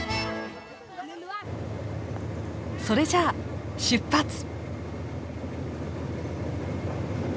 それじゃあ出発！